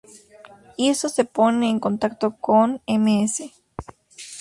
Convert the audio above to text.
Iso se pone en contacto con Ms.